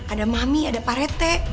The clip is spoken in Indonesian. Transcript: ada mami ada pak rt